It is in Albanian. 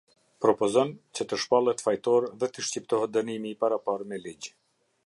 Propozon që të shpallet fajtor dhe t'i shqiptohet denimi i paraparë me ligj.